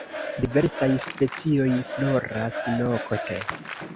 Diversaj specioj floras nokte.